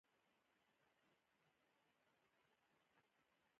زه خپلي ستونزي له پلار او استادانو سره شریکوم.